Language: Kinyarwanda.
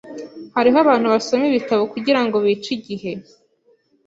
Hariho abantu basoma ibitabo kugirango bice igihe.